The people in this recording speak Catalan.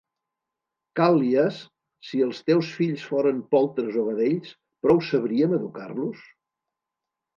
Càl·lias, si els teus fills fóren poltres o vedells, prou sabríem educar-los?